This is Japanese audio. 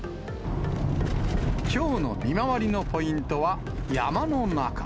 きょうの見回りのポイントは、山の中。